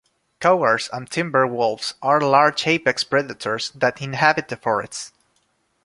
Cougars and timber wolves are large apex predators that inhabit the forest.